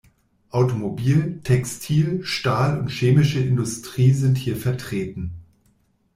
Automobil-, Textil-, Stahl- und Chemische Industrie sind hier vertreten.